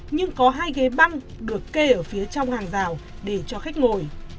nhưng có hai ghế băng được kê ở phía trong hàng rào để cho khách ngồi